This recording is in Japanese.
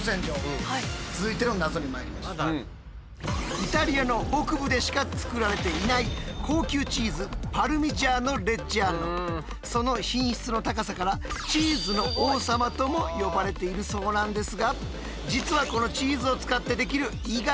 イタリアの北部でしか作られていない高級チーズその品質の高さから「チーズの王様」とも呼ばれているそうなんですが実はこのチーズを使ってできる意外な制度があるんです。